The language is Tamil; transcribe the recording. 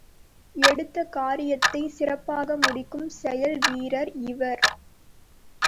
எடுத்த காரியத்தை சிறப்பாக முடிக்கும் செயல் வீரர் இவர்.